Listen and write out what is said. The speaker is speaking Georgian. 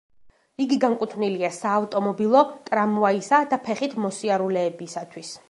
იგი განკუთვნილია საავტომობილო, ტრამვაისა და ფეხით მოსიარულეებისათვის.